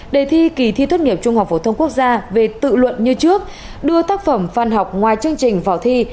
đề thi kỳ thi tốt nghiệp trung học phổ thông quốc gia về tự luận như trước đưa tác phẩm văn học ngoài chương trình vào thi